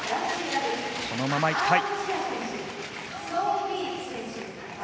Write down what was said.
このままいきたい。